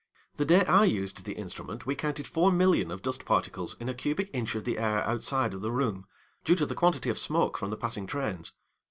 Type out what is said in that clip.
The day I used the instrument we counted 4,000,000 of dust particles in a cubic inch of the air outside of the room, due to the quantity of smoke from the passing trains.